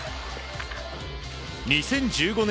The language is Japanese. ２０１５年